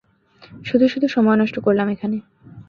শুধু শুধু সময় নষ্ট করলাম এখানে।